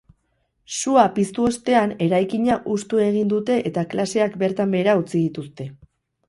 Sua piztu ostean eraikina hustu egin dute eta klaseak bertan behera utzi dituzte.